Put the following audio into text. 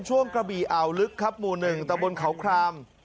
กระบี่อ่าวลึกครับหมู่๑ตะบนเขาคราม